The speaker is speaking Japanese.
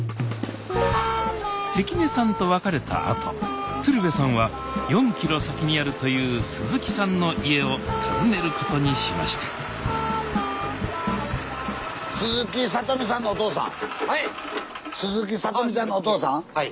関根さんと別れたあと鶴瓶さんは４ｋｍ先にあるという鈴木さんの家を訪ねることにしましたはい。